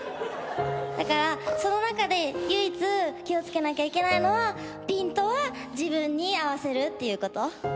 だからその中で唯一気を付けなきゃいけないのはピントは自分に合わせるっていうこと。